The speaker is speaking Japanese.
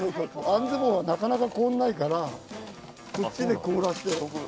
あんずボーはなかなか凍らないからこっちで凍らせておく。